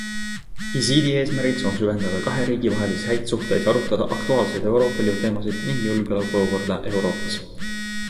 Visiidi eesmärgiks on süvendada kahe riigi vahelisi häid suhteid ja arutada aktuaalseid Euroopa Liidu teemasid ning julgeolekuolukorda Euroopas.